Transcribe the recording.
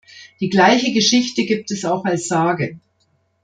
Die gleiche Geschichte gibt es auch als Sage.